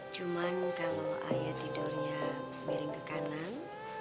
cuman kalau ayah tidurnya miring ke kanan